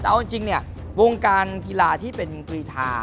แต่เอาจริงวงการกีฬาที่เป็นปรีฐา